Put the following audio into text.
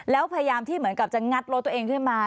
แล้วพยายามที่เหมือนกับจะงัดรถตัวเองขึ้นมา